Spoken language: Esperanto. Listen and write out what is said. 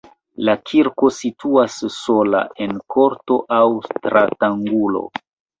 La kirko situas sola en korto laŭ stratangulo.